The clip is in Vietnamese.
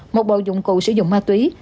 một bộ dụng cụ sử dụng ma túy